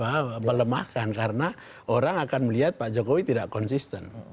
orang justru malah akan melemahkan karena orang akan melihat pak jokowi tidak konsisten